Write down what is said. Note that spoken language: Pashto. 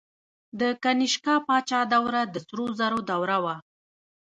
د کنیشکا پاچا دوره د سرو زرو دوره وه